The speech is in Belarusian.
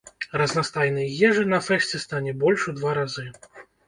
Разнастайнай ежы на фэсце стане больш у два разы.